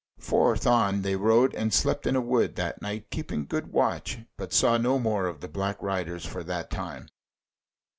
Forth on they rode, and slept in a wood that night, keeping good watch; but saw no more of the Black Riders for that time.